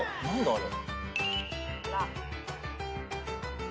あれ。